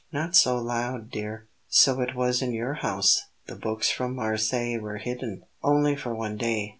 not so loud, dear! So it was in your house the books from Marseilles were hidden?" "Only for one day.